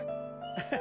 ハハハハ。